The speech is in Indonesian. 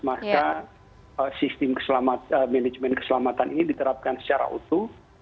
maka sistem manajemen keselamatan ini diterapkan secara utuh